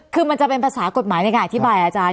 คือมันจะเป็นภาษากฎหมายในการอธิบายอาจารย์